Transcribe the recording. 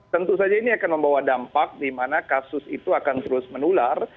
tentu saja ini akan membawa dampak di mana kasus itu akan terus menular